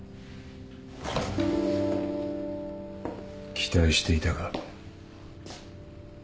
期待していたが。